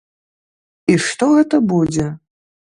І што гэта будзе?